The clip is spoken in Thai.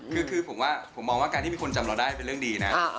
คือผมว่าผมมองว่าการที่มีคนจำเราได้เป็นเรื่องดีนะ